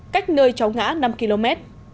cách nơi cháu ngã năm km